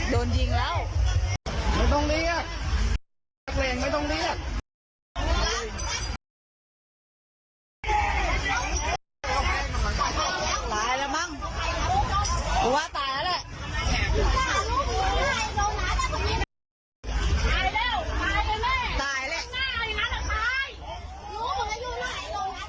โดนยิงแล้วไม่ต้องเรียกนักเลงไม่ต้องเรียก